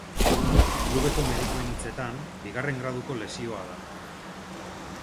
Klubeko medikuen hitzetan, bigarren graduko lesioa da.